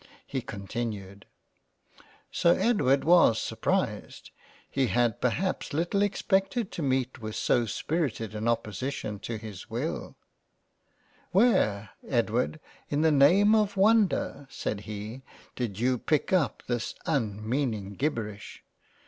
H continued. " Sir Edward was surprised ; he had perhaps little pected to meet with so spirited an opposition to his wi " Where, Edward in the name of wonder (said he) did y pick up this unmeaning gibberish